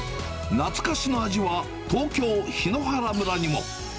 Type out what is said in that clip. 懐かしの味は、東京・桧原村にも。